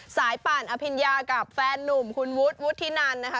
สายปานอภินยากับแฟนหนุ่มขุนวุดวุดทินันนะค่ะ